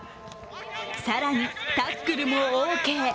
更にタックルもオーケー。